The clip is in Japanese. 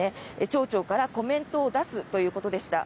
町長からコメントを出すということでした。